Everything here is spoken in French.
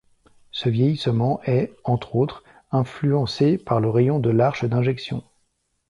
Ce vieillissement est, entre autres, influencé par le rayon de l'arche d'injection.